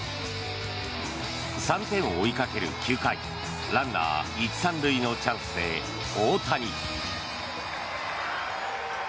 ３点を追いかける９回ランナー１・３塁のチャンスで大谷。